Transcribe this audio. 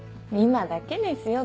今だけですよ